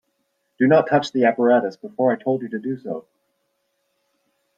Do not touch the apparatus before I told you to do so.